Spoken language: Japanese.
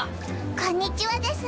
こんにちはです